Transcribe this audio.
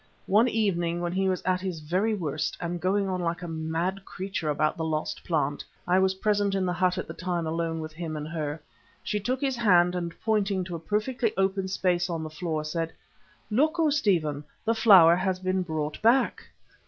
One evening, when he was at his very worst and going on like a mad creature about the lost plant I was present in the hut at the time alone with him and her she took his hand and pointing to a perfectly open space on the floor, said: "Look, O Stephen, the flower has been brought back."